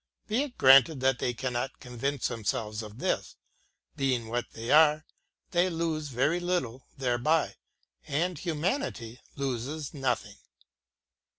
Be it granted that they cannot convince themselves of this ;— being what they are, they lose very little thereby, and humanity loses nothing.